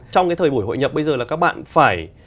trong cái thời buổi hội nhập bây giờ là các bạn phải